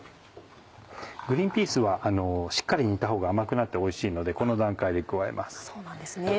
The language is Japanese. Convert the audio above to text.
グリンピースはしっかり煮たほうが甘くなっておいしいのでこの段階で加えます。